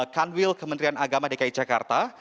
kanwil kementerian agama dki jakarta